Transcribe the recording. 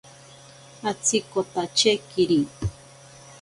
Atsikotache kiri.